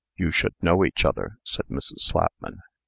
"You should know each other," said Mrs. Slapman.